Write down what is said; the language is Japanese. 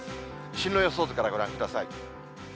進路予想図からご覧ください。